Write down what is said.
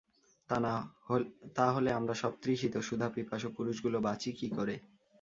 তা হলে আমরা সব তৃষিত সুধাপিপাসু পুরুষগুলো বাঁচি কী করে।